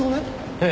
ええ。